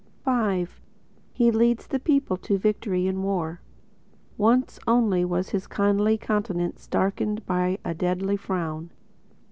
V (He Leads The People To Victory in War) Once only Was his kindly countenance Darkened by a deadly frown.